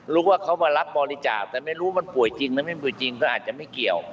รู้ว่าเขามารับบริจาคแต่ไม่รู้มันป่วยจริงมันไม่ป่วยจริงก็อาจจะไม่เกี่ยว